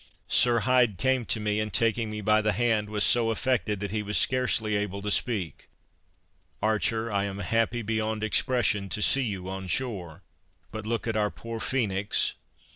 Sir Hyde came to me, and taking me by the hand was so affected that he was scarcely able to speak "Archer, I am happy beyond expression, to see you on shore, but look at our poor Phoenix!"